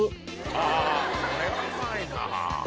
ああこれはうまいなあ。